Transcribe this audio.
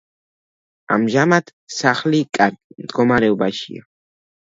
ამჟამად სახლი კარგ მდგომარეობაშია.